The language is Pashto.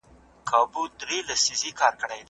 هغه وويل چي زه درس لولم!؟